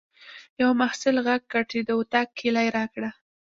یوه محصل غږ کړ چې د اطاق کیلۍ راکړه.